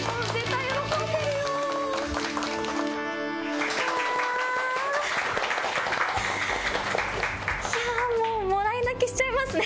いやもうもらい泣きしちゃいますね。